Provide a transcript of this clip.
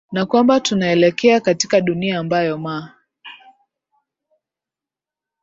na kwamba tunaelekea katika dunia ambayo ma